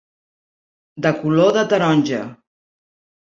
De color de taronja.